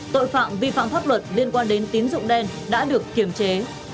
tội phạm vi phạm pháp luật liên quan đến tín dụng đen đã được kiềm chế